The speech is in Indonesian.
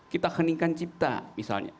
kita heningkan cipta misalnya